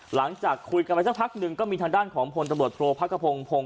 หลังจากคุยกันไปสักพักหนึ่งก็มีทางด้านของพลตำรวจโทษพักกระพงพงศ